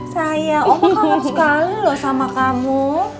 sayang oma kangen sekali loh sama kamu